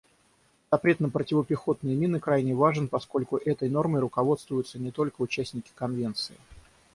Запрет на противопехотные мины крайне важен, поскольку этой нормой руководствуются не только участники Конвенции.